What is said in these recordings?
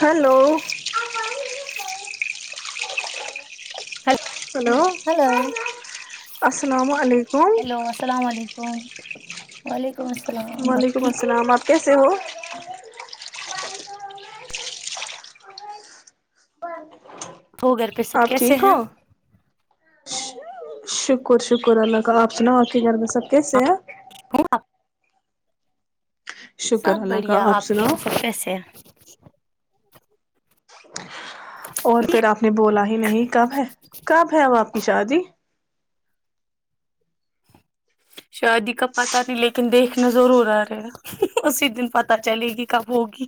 hello [inaudible] hello السلام علیکم hello السلام علیکم وعلیکم السلام آپ ٹھیک کسی ہو تو گھر پہ سب آپ کیسے ٹھیک ہو ہیں شکر شکر اللہ کا آپ سناو آقی گگر میں سب کیسے ہیں ہ [inaudible] سب شکر اللہ کا بڑھیا آپ کے سناؤ مسقے سے [inaudible] اور پھر آپ نے بولا ہی نہیں کب ہے کب ہے اب آپ کی شاہ جی شادی کا پتا نہیں لیکن دیکھنا ضرور آ رہے گا اسی دن پتا چلے گی کب ہوگی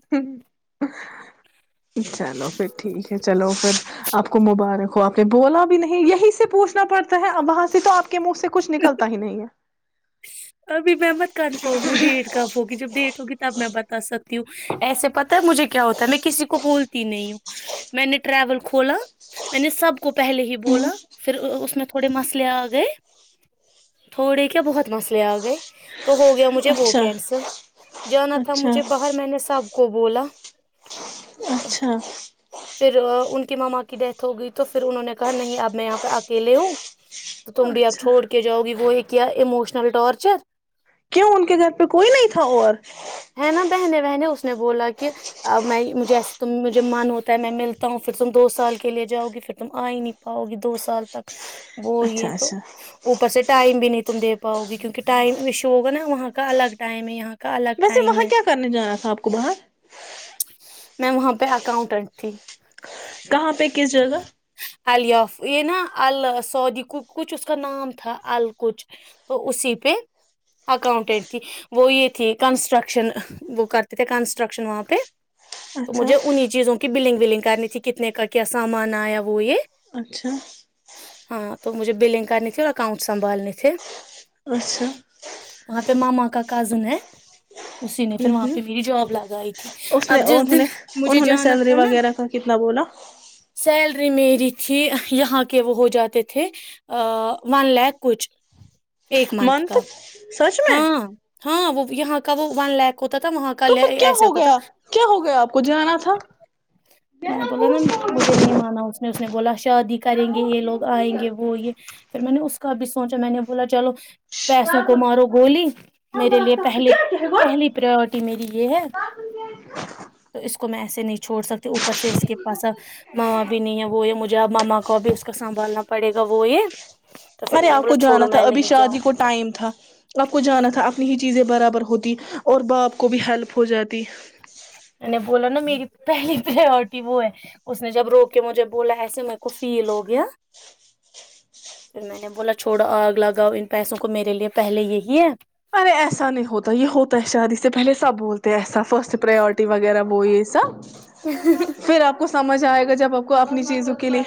چلو پھر ٹھیک ہے چلو پ آپ کو مبارک ہو آپ نے بولا بھی نہیں یہیں سے پوچھنا پڑتا ہے ا وہاں سے تو آپ کے منہ سے کچھ نکلتا ہی نہیں ہے ابھی میں مت کنفر ہوں ڈیٹ کب ہوگی جب ڈیٹ ہوگی تب میں بتا سکتا ہوں ایسے پتا مجھے کیا ہوتا ہے میں کسی کو بولتی نہیں ہوں میں نے ٹریول کھولا میں نے سب کو پہلے ہی بولا ہے پھر اس میں تھوڑے مسئلے آ گئے تھوڑے کیا بہت مسئلے لے آ گئے تو ہو گیا اچھا مجل جانا تھا اچھا مجھ بر س کو بولا پھر اچھا آ، ان ماما کی ڈیتھ ہو گئی تو پھر انہوں نے کہا نہیں اب میں یہاں پہ اکیے ہوں تو تم بھی آپ اچھا چھوڑ کے جاؤ گی وہ کیا اموشن ٹچر ان کے گھر پہ کوئی نہیں تھا اور ہے نا بہنے بہنے اس نے بولا کہ میں مجھے ایسے ت مجھے من ہوتا ہے میں ملتا ہوں پھر تم دو سال کے لیے جاؤ گی پھر تم آ ہی نہیں پاؤ گی دو سال تک وہ اچھا یہ تو اچھا اوپر سے ٹائم بھی نہیں تمے پاؤ گی کیونکہ ٹائمشو ہوگا نا وہاں کا الگ ٹائم ہے یہاں کا الگ ے ٹائم وہاں ہے کیا کرنے جانا تھا آپ کو باہر میں وہاں پہ اکاؤنٹنٹ تھی کہاں پہ کس جگہ ال یاف یہ نا ال سعودی کو کچھ اس کا نام تھا ال کچ تو اسی پہ اکاؤنٹنٹ تھی وہ یہ تھی کنسٹرکشن وہ کرتے تھے کنسٹرکشن وہاں پہ تو اچھا مجھے انہیں چیزوں کہ بلڈنگ ولڈنگ کرنی تھی کتنے کا کیا سامان آیا وہ یہ اچھا ہاں تو مجھے بلنگ کرنی تھی اور اکاؤنٹ سنبھالنے تھے اچھا ماں کا کزن ہے اسی نے ہ پھر وہاں ہ پہ میری جاب لگائی تھی اس نے اب جس انہوں دن نے مجھے انہوں نے جانا سیلری تھا نا وغیرہ کا کتنا بولا سیلری میری تھی یہاں کے وہ ہو جاتے تھے ون لھ کچ ایک منتھ کا سچ میں ہاں ہاں وہ یہاں کا وہ ون لھ تو پھر کیا ہو گیا کیا ہو گیا آپ کو جانا تھا میں بولا نا مجھے نہیں مانا اس نے اس نے بولا شادی کریں گے یہ لوگ آئیں گے وہ یہ پھر میں نے اس کا اب سوچا میں نے بولا چلو پیسوں کو مارو گولی میرے لیے پہلیے پہلی پرورٹی میری یہ ہے تو اس کو میں ایسے نچ چھڑ سکتے اوپر سے اس کے پاس ما بھی نہیں ہے وہ یہ مجھے ماما کو بھی اس کو سنبھالنا پڑے گا وہ یہ تو پھر ارے میں نے آپ کو بولا چھوڑو جانا تھا میں ابھی نہیں شادی جاؤں کو گی، ٹائم تھا آپ کو جانا تھا اپنی چیزیں برابر ہوتی اور باپ کو بھی ہیلپ ہو جاتی میں بولا نہ میری پہلی پرورٹی وہ ہے اس نے جب روک کے مجھے بولا ایسے میر کو فیل ہو گیا پھر میں نے بولا چھوڑو آگ لگاؤ ان پیسوں کو میرے لیے پہلے یہی ہے ارے ایسا نہیں ہوتا یہ ہوتا ہے شادی سے پہلے سب بولتے ایسا فرسٹ پرورٹی وغیرہ وہ یہ سب پھر آپ کو اچھا سمجھ آئے گا جب آپ کو اپنی چیزوں کے لیے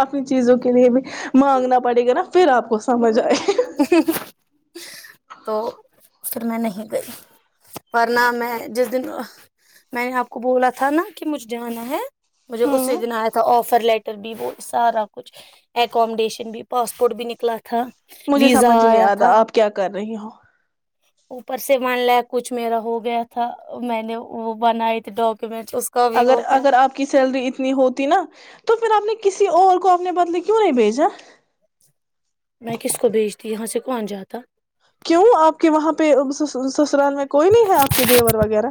اپنی چیزوں کے لیے بھی مانگنا پڑے گا نا پھر آپ کو سمجھ آ ھم تو پھر میں نہیں گئی ورنہ میں جس دن میں نے آپ کو بولا تھا نا کہ مجھے جانا ہے مجھے اسی ہوں دن آیا تھا آفر لیٹ ر بھی وہ سارا کچھ اکمیڈیشن بھی پاسپورٹ بھی نکلا تھا مجھے ویزا سمجھ نہیں آیا آتا تھا آپ کیا کر رہے نہیں ہاں اوپر سے بن ل کچھ میرا ہو گیا تھا میں نے وہ بنائی تھی ڈاکومنٹ اگر اگر آپ کی سیلری اتنی ہوتی نا تو پھر آپ نے کسی اور کو اپنے بدلے کیوں نہیں بھیجا میں کس کو بھیجتی یہاں سے کون جاتا کیوں آپ کے وہاں پہ پ س سسرال میں کوئی نہیں ہے آپ کے دیور وغیرہ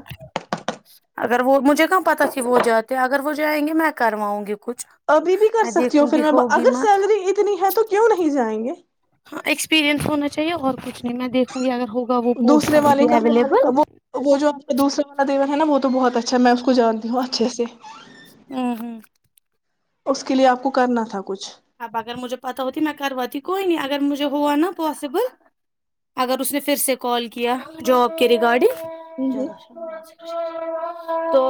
اگر وہ مجھے کہاں پتاہ تھی وہ جاتے اگر وہ جائیں گے میں کرواؤں گی کچھ ابھی بھی کر میں سکتی ہوں دیکھوں پھر گی میں ہوگی اگر مت سیلری اتنی ہے تو کیوں نہیں جائیں گے ہاں ایکسپییرئنس ہونا چاہیے اور کچھ نہیں میں دیکھوں گی اگر ہوگا وہ پوسٹ دوسرے ابھی والے بھی کا اویلیبل وہ وہ جو آ نی دوسرے والا دیا ہے نا وہ تو بہت اچھا میں اس کو جانتی ہوں اچھے سے ہمم ہمم اس کے لیے آپ کو کرنا تھا کچھ اب اگر مجھے پت ہوتی میں کرواتی کوئی نہیں اگر مجھے ہوا نا پاسبل اگر اس نے پھر سے کال کیا جوب کے ریگارڈنگ [unintelligible] تو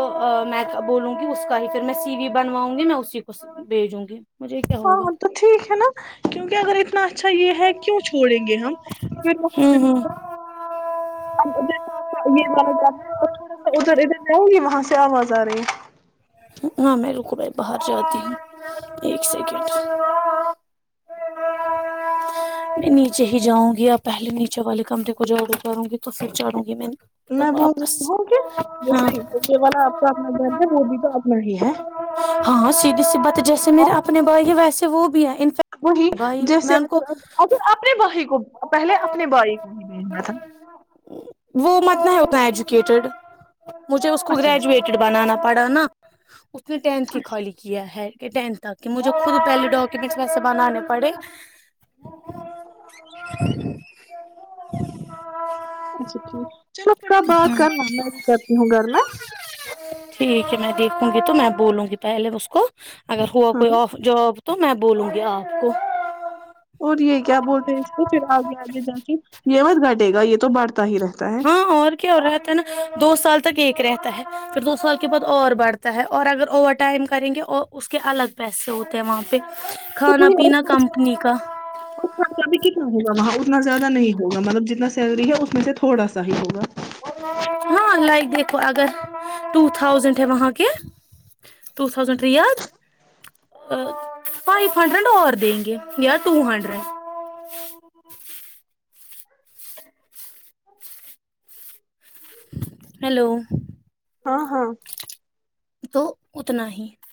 میں بولوں گی اس کا ہی پھر میں سی وی بنواؤں گی میں اسی کو بھیجوں گی مجھے کیا ہوگا ہاں تو ٹھیک ہے نا کیونکہ اگر [unintelligible] [unintelligible] ہوں ہوں تھوڑا سا ادھر ادھر آؤں گی وہاں سے آواز ز ارہی ہے ہاں میں رقئی باہر جاتی ہوں ایک سیکنڈ میں نیچے ہی جاؤں گی آپ پہلے نیچے والے کمرے کو جاڑو کروں گی تو پھر جاڑوں گی میں میں بول رہی واپس ہوں کی ہاں جیسے یہی والا آپ کا اپنا گھر ہے وہ بھی تو اپنا ہی ہے ہاں سیدھی سی بات ہے جیسے میرے اور اپنے بھائی ہے ویسے وہ بھی ہے انفیکٹ وہی بھائی میں جیسے ان کو اگر اگر اپنے بھی کو پہلے اپنے بھائی کو ہی بھیجنا تھا [unintelligible] وہ مت نہ ہے اتنا ایجوکیٹیڈ [unintelligible] مجھے اس کو اچھا اچھا گریجویٹڈ بنانا پڑا نا [unintelligible] اس [unintelligible] اس نے ٹینتھ ہی خالی کیا ہے [unintelligible] ٹینھ تک کہ مجھے خود پہلے ڈاکیومنٹس ویسے بنانے پڑے [unintelligible] [inaudible] [unintelligible] اچھا ٹھ چلو پھر آپ بات کرنا میں بی کر [unintelligible] کرتی ہوں گھر میں [unintelligible] ٹھیک ہے میں دیکھوں گی تو میں بولوں گی پہلے اس کو [unintelligible] اگر ہوا ہاں کوئی آف جوب [unintelligible] تو میں بولوں گی آپ کو [unintelligible] اور یہ کیا بولتے ہیں اس کو پھر آگے آگے جا کے [unintelligible] یہ مت گھٹے گا یہ تو بڑھ [unintelligible] ہاں اور کیا وہ رہا تھا نا دو سال تک [unintelligible] ٹھیک رہتا ہے پھر دو سال کے بعد اور بڑھتا ہے اور اگر اوور ٹائم کریں گے اور اس کے [unintelligible] کھانا اور پینا خرچ کمپنی کا اور خرچہ بھی ک ک ہو گا م [unintelligible] اتنا زیادہ نہیں ہوگا مطلب جتنا سیلری ہے اس میں سے تھوڑا سا ہی ہوگا [unintelligible] ہاں لائک دیکھو اگر ٹو تھاؤزینڈ ہے وہاں کے ٹو تھازینڈ ید فائیو ہنڈریڈ اور دیں گے یار ٹو ہنڈریڈ [unintelligible] جی [unintelligible] ہیلو [unintelligible] ہاں ہاں [unintelligible] تو اتنا ہی [unintelligible]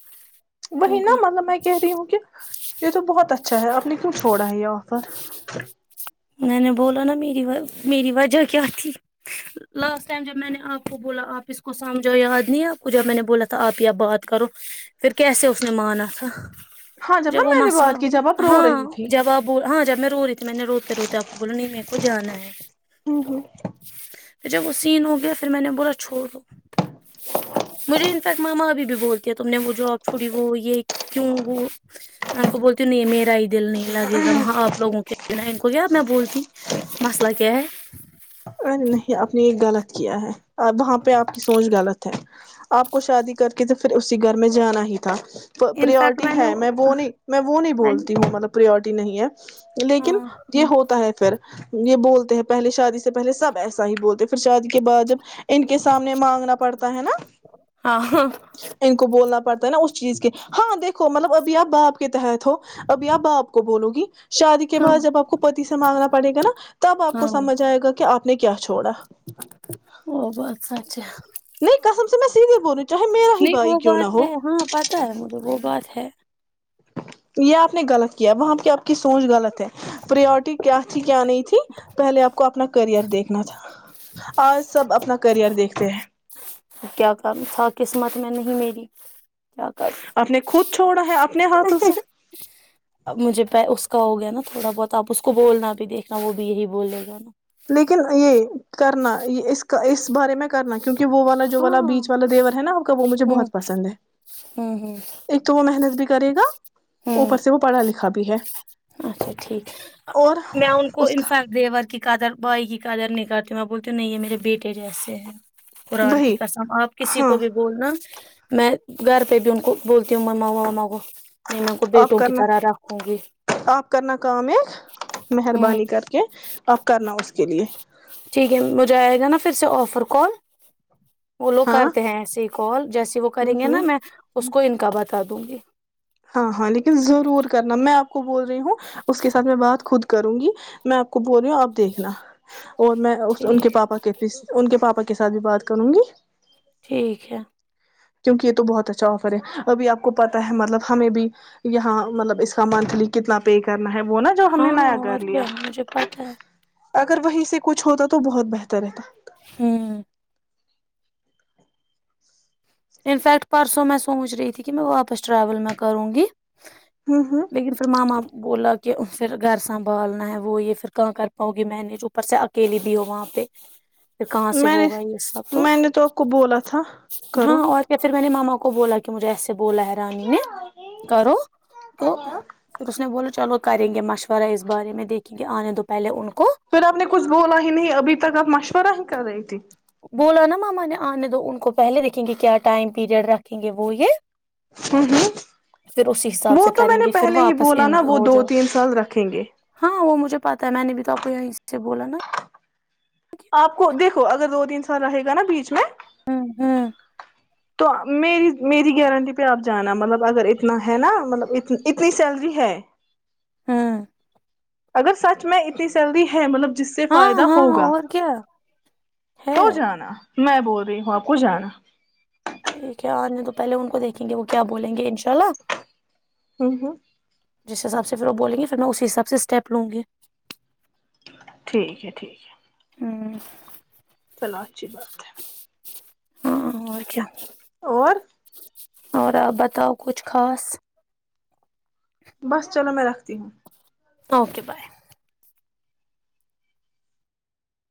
وہی نا ہوگا مطلب میں کہہ رہی ہوں کیا یہ تو بہت اچھا ہے آپ نے کیوں چھوڑا ہے یہ آفر میں نے بولا نا میری میری وجہ کیا تھی لاسٹ ٹائم جب میں نے آپ کو بولا آپ اس کو سمجھو یاد نہیں آپ کو جب میں نے بولا تھا آپ یا بات کرو پھر کیسے اس نے مانا تھا ہاں جب نا وہ میں نے مسئلہ بات کی ہو جب آپ رو ہاں رہی تھی جب آپ ہاں جب میں رو رہی تھی میں نے روتے روتے میر کو جانا ہے ہوں ہوں جب وہ سین ہو گیا پھر میں نے بولا چھوڑ دو مجھے ان تک ماما ا بھی بولتی تم نے وہ جاب چھڑی وہ یہ کیوں وہ ان کو بولتی نہیں میرا ہی دل نہیں لگے گا وہاں آپ لگوں کے بنا ان کو کیا میں بولتی مسئلہ کیا ہے ارے نہیں اپپ نے یہ غلط کیا ہے وہاں پہ آپ کی سوچ غلط ہے آپ کو شادی کر کے تو پھر اسی گھر میں جانا ہی تھا انفیکٹ پریورٹی ہے میں وہ نے نہیں میں وہ نہیں بولتی ہوں مطلب پریورٹی نہیں ہے لیکن ہاں یہ ہوتا ہے پھر یہ بولتے ہیں پہلے شادی سے پہل سب ایسا ہی بولتے پھر شادی کے بعد جب ان کے سامنے مانگنا پڑتا ہے نا ہاں ان کو بولنا پڑتا نا اس چیز کے ہاں دیکھو مطلب ابھی آپ باپ کے تحت ہو ابھی آپ باپ کو بولو گی شادی کے ہاں بعد جب آپ کو پتی سے مانگنا پڑے گا نا تب آپ کو ہاں سمجھ آئے گا آپ نے کیا چھوڑا وہ بس اچ ہے نہیں کسم سے میں سیدھے بول رہوں نہیں وہ بات ہے ہاں پتا ہے مجھے وہ بات ہے یہ آپ نے غلط کیا وہاں پہ آپ کی سوچ غلط ہے پرورٹی کیا تھی کیا نہیں تھی پہلے آپ کو اپنا کرئر دیکھنا تھا آج سب اپنا کرئر دیکھتے ہیں کیا کر تھا قسمت میں نہیں میری کیا کر آپ نے خود چھوڑا ہے اپنے ہاتھوں سے مجھے پ اس کا ہو گیا نا تھوڑا بہت آپ اس کو بولنا بھی دیکھنا وہ بھی یہی بول رہے گا نا لیکن یہ کرنا اس کا اس بارے میں کرنا کیا کیہ وہ والا جو والا ہاں بیچ والا دیور ہے نا آپ کا وہ مجھے ہوں بہت پسند ہے ہوں ہوں ایک تو وہ محنت بھی کرے گا ہوں اوپر سے وہ پڑھا لکھا بھی ہے اچھا ٹھیک اور میں انن کو اس کا انفیکٹ دیور کی کا قدر بھائی کی قدر نہیں کرتی میں بولتی نہیں یہ میرے بیٹے جیسے ہیں قرآن کی وہی قسم آپ کسی ہاں کو بھی بولنا میں گھر پہ بونن کو بولتیوں مماا وما گو نہیں میں ان کو آپ بیٹوں کی کرنا طرح رکھوں گی آپ کرنا کام ایک ہوں مہربانی کر کے آپ کرنا اس کے لیے ٹھیک ہے مجھے آئے گا نا پھر سے آفر کون وہ لوگ ہاں کرتے ہیں اس کال جیسی وہ ہ کریں گے ہ نا میں اس کو ان کا بتا دوں گی [unintelligible] ہاں ہاں لیکن ضرور کرنا میں کو بول رہی ہوں اس کے ساتھ میں بات خود کروں گی میں آپ کو بول رہی ہوں آپ دیکھنا اور میں ان کے ٹھیک پاپا کے ان کے پاپا پپا کے ساتھ بھی بات کروں گی ٹھیک ہے کیونکہ یہ تو بہت اچھا آفر ہے ابھی آپ کو پتا ہے مطلب ہمیں بھی یہاں مطلب اس کا مکان کے لیے کتنا پے کرنا ہے وہ نا جو ہم نے ہاں نیا گھر اور لیا کیا مجھے پتا ہے اگر وہیں سے کچھ ہوتا تو بہت بہتر رہتا ہوں انفیکٹ پرسوں میں سوچ رہی تھی کہ میں واپس ٹریول میں کروں گی ہ ہ لیکن پھر مم آپ بولا کہ پھر گھر سنبھالنا ہے وہ یہ پھر کہاں کر پاؤ گی میں نے جو اوپر سے اکیلی بھی ہو وہاں پہ پھر کہاں سے میں نے ہوگا یہ سب میں نے تو آ کو بولا تھا ہاں کرو اور کیا پھر میں نے ماما کو بولا مجھے ایسے بولا ہے رانی نے کرو تو پھر اس نے بولاو چلو کریں گے مشورہ اس بارے میں دیکھیں گے آنے دو پہلے ان کو پھر آپ نے کچھ بولا ہی نہیں ابھی تک آپ مشورہ ہی کر رہی تھی بولا نا ماما نے آنے دو ان کو پہلے دیکھیں گے کیا ٹائم پیریڈ رکھیں گے وہ یہ ہ ہ پھر اسی حساب وہ سے تو کریں میں نے گے پھر پہلے ہی واپس بولا ان نا وہ ہو دو جاؤ تین سال رکھیں گے ہاں وہ مجھے پہ ہے میں نے بھی تو آپ کو یہ سے بولا نا آپ کو دیکھو اگر دو تین سے سر رہے گا نا بیچ میں ہاں ہاں تو میری میری گارنٹی پہ آپ جانا مطلب اگر اتنا ہے نا مطلب ا اتنی سیلری ہے ہاں اگر سچ میں اتنی سیلری ہے مطلب جس سے ہاں فائدہ ہاں ہوگا اور کیا ہے تو جانا میں بول رہی ہوں آپ کو جانا ٹھیک ہے آنے تو پہلے ان کو دیکھیں گے وہ کیا بولیں گے انشاء اللہ ہوں ہوں جس حساب سے پھر وہ بولیں گے میں اسی حساب سے اسٹیپ لوں گی ٹھیک ہے ٹھیک ہے ہوں چلو اچھی بات ہے ہاں اچھا اور اور آپ بتاؤ کچھ خاص بس چلو میں رکھتی ہوں اوکے بائے